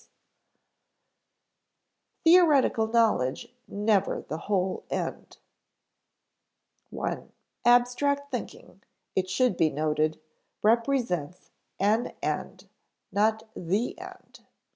[Sidenote: Theoretical knowledge never the whole end] (i) Abstract thinking, it should be noted, represents an end, not the end.